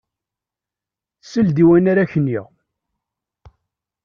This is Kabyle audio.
Sel-d i wayen ara k-niɣ.